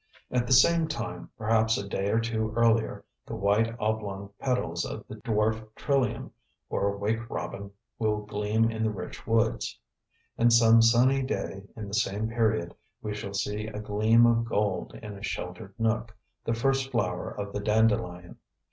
At the same time, perhaps a day or two earlier, the white oblong petals of the dwarf trillium, or wake robin, will gleam in the rich woods. And some sunny day in the same period we shall see a gleam of gold in a sheltered nook, the first flower of the dandelion.